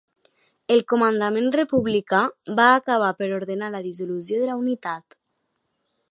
El comandament republicà va acabar per ordenar la dissolució de la unitat.